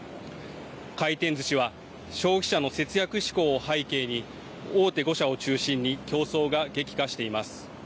回転ずしは消費者の節約志向を背景に大手５社を中心に競争が激化しています。